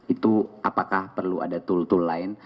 itu apakah perlu ada tool tool lain